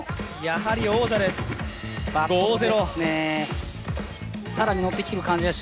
やはり王者です、５対０。